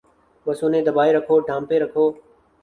بس انہیں دبائے رکھو، ڈھانپے رکھو۔